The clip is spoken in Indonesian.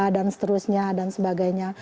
dan seterusnya dan sebagainya